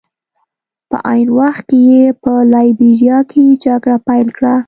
په عین وخت کې یې په لایبیریا کې جګړه پیل کړه.